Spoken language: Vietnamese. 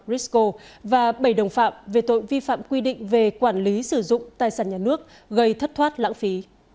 risco và bảy đồng phạm về tội vi phạm quy định về quản lý sử dụng tài sản nhà nước gây thất thoát lãng phí